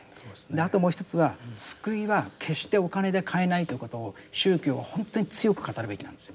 あともう一つは救いは決してお金で買えないということを宗教は本当に強く語るべきなんですよ。